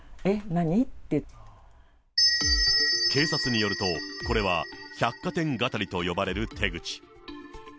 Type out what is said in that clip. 何っ警察によると、これは、百貨店がたりと呼ばれる手口。